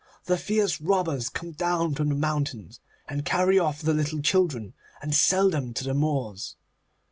The fierce robbers come down from the mountains, and carry off the little children, and sell them to the Moors.